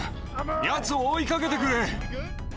やつを追いかけてくれ。